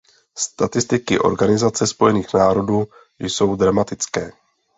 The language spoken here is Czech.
Statistiky Organizace spojených národů jsou dramatické.